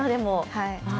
はい。